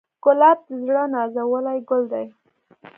ګلاب د زړه نازولی ګل دی.